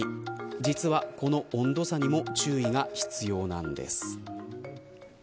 実は、この温度差にも注意が必要なんです。